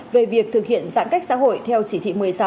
về việc thực hiện giãn cách xã hội theo chỉ thị một mươi sáu